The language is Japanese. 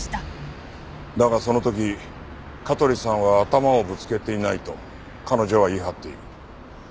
だがその時香取さんは頭をぶつけていないと彼女は言い張っている。